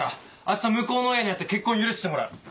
明日向こうの親に会って結婚許してもらう。